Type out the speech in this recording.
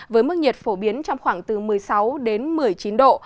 với mức nhiệt phổ biến trong khoảng từ một mươi sáu đến một mươi chín độ